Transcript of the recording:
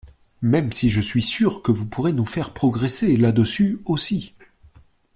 même si je suis sûr que vous pourrez nous faire progresser là-dessus aussi.